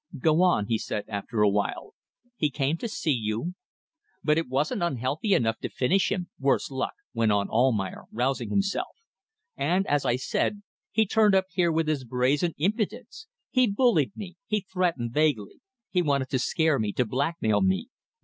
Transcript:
"Go on," he said, after a while. "He came to see you ..." "But it wasn't unhealthy enough to finish him, worse luck!" went on Almayer, rousing himself, "and, as I said, he turned up here with his brazen impudence. He bullied me, he threatened vaguely. He wanted to scare me, to blackmail me.